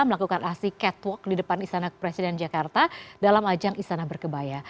melakukan aksi catwalk di depan istana presiden jakarta dalam ajang istana berkebaya